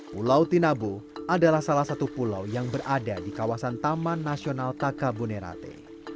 pulau tinabo adalah salah satu pulau yang berada di kawasan taman nasional taka bonerate